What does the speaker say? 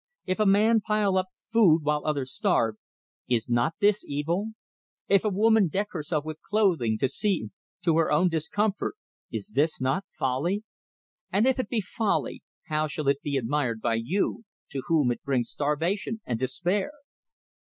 If a man pile up food while others starve, is not this evil? If a woman deck herself with clothing to her own discomfort, is not this folly? And if it be folly, how shall it be admired by you, to whom it brings starvation and despair?